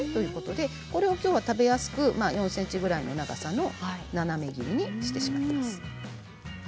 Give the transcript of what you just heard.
これをきょうは食べやすく４ｃｍぐらいの長さの斜め切りにしてしまいます。